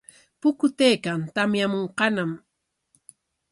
Pukutaykan, tamyamunqañam.